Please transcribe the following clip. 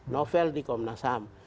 novel di komnasam